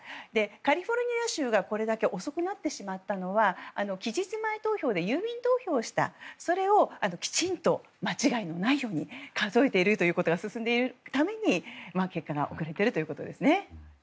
カリフォルニア州がここまで遅くなってしまったのは期日前投票で郵便投票をしたそれをきちんと間違いないように数えているということが進んでいるために結果が遅れているということですね。